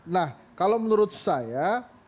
nah kalau menurut saya